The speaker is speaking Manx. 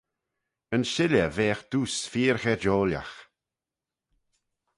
Yn shilley veagh dooys feer gherjoilagh.